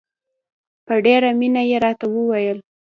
په ډېره مینه یې راته وویل.